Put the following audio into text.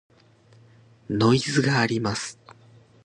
ノイズがあります。